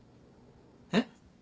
えっ？